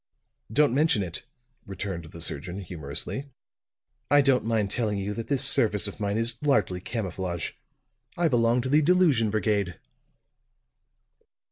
"Don't mention it," returned the surgeon humorously. "I don't mind telling you that this service of mine is largely camouflage. I belong to the Delusion Brigade."